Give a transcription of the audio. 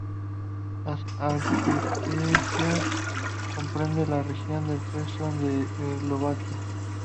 La archieparquía comprende la región de Prešov en Eslovaquia.